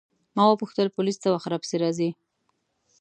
ما وپوښتل پولیس څه وخت راپسې راځي.